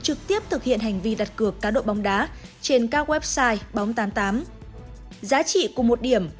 trực tiếp thực hiện hành vi đặt cược cá độ bóng đá trên các website bóng tám mươi tám giá trị của một điểm